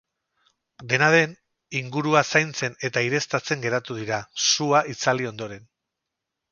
Dena den, ingurua zaintzen eta aireztatzen geratu dira, sua itzali ondoren.